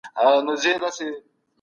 جرګه د بهرنیو ځواکونو شتون څنګه څېړي؟